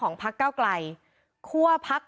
โหวตตามเสียงข้างมาก